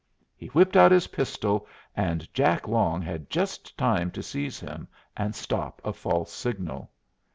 He whipped out his pistol, and Jack Long had just time to seize him and stop a false signal.